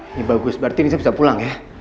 ini bagus berarti nissa bisa pulang ya